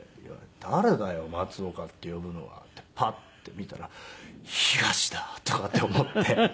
松岡って呼ぶのはってパッて見たらヒガシだ！とかって思って。